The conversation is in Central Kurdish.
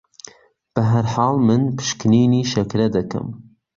بە هەرحاڵ من پشکنینی شەکرە دەکەم